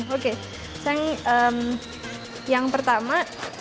oke yang pertama